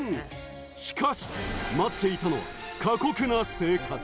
しかし、待っていたのは過酷な生活。